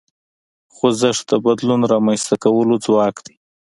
خوځښت د بدلون رامنځته کولو ځواک دی.